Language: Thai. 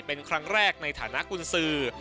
เป็นครั้งแรกในฐานะกุญสือ